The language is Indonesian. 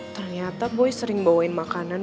ternyata boy sering bawain makanan